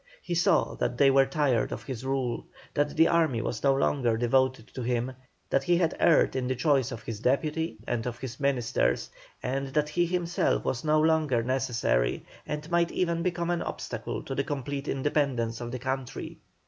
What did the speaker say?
He saw that they were tired of his rule, that the army was no longer devoted to him, that he had erred in the choice of his deputy, and of his ministers, and that he himself was no longer necessary, and might even become an obstacle to the complete independence of the country.